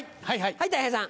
はいたい平さん。